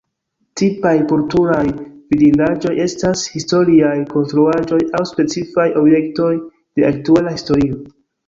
Tipaj kulturaj vidindaĵoj estas historiaj konstruaĵoj aŭ specifaj objektoj de aktuala historio.